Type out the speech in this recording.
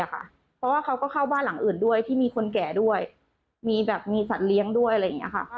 หรือว่าหลังอื่นด้วยที่มีคนแก่ด้วยมีแบบมีสัตว์เลี้ยงด้วยอะไรอย่างนี้ค่ะ